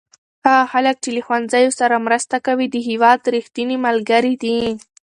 هغه خلک چې له ښوونځیو سره مرسته کوي د هېواد رښتیني ملګري دي.